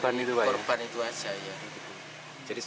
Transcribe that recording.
tapi sekarang nggak tahu lah